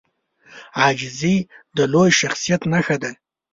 عاجزي د لوی شخصیت نښه ده.